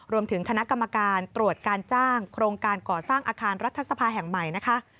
รวมถึงคณะกรรมการตรวจการจ้างโครงการก่อสร้างอาคารรัฐสภาแห่งใหม่นะคะ